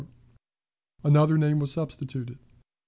Another name was substituted.